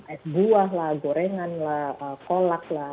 es buah lah gorengan lah kolak lah